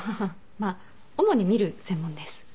まあ主に見る専門です。